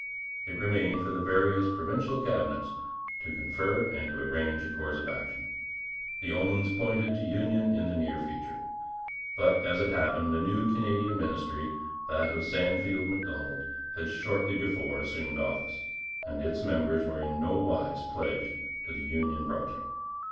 It remained for the various provincial Cabinets to confer and to arrange a course of action. The omens pointed to union in the near future. But, as it happened, a new Canadian ministry, that of Sandfield Macdonald, had shortly before assumed office, and its members were in no wise pledged to the union project.